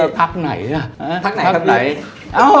๊าถักไหนกับยกกลับไม่เนี่ย